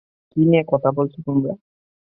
কী নিয়ে কথা বলছো তোমরা?